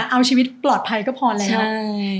เอาชีวิตปลอดภัยก็พอแล้ว